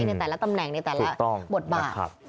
ในแต่ละตำแหน่งในแต่ละบทบาท